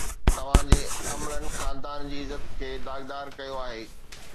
توهان جي عملن خاندان جي عزت کي داغدار ڪيو آهي